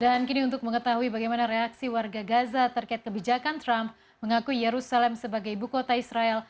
dan kini untuk mengetahui bagaimana reaksi warga gaza terkait kebijakan trump mengakui yerusalem sebagai ibu kota israel